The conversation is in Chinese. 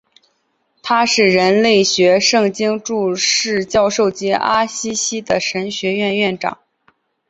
他是人类学圣经注释教授及阿西西的神学院院长。